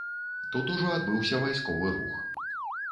Тут ужо адбыўся вайсковы рух.